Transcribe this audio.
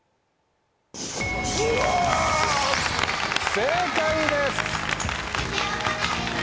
正解です。